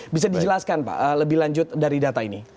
bisa dijelaskan pak lebih lanjut dari data ini